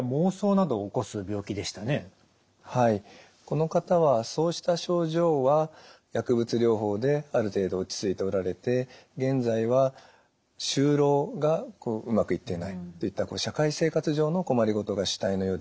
この方はそうした症状は薬物療法である程度落ち着いておられて現在は就労がうまくいってないといった社会生活上の困りごとが主体のようですね。